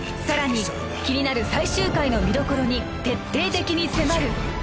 さらに気になる最終回の見どころに徹底的に迫る